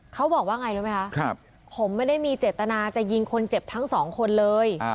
เขาบอกว่าไงรู้ไหมคะผมไม่ได้มีเจตนาจะยิงคนเจ็บทั้งสองคนเลย